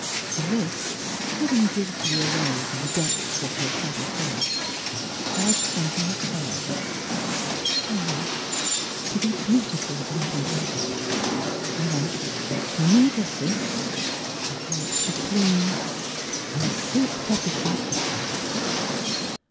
The list, hidden guiltily 31 The TransfigMration of away in the depths of her shabby purse, read something as follows: "I wish to be beautiful and admired. I want two new dresses; a hat with plumes, and a silk petticoat that rustles.